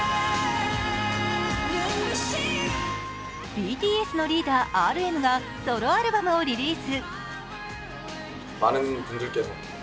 ＢＴＳのリーダーＲＭがソロアルバムをリリース。